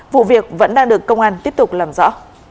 vụ việc vẫn đang được công an tiếp tục làm rõ